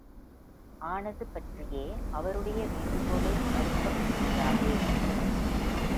ஆனதுபற்றியே அவருடைய வேண்டுகோளை மறுக்கத் துணியாது.